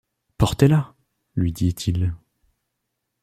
Portez-la, lui dit-il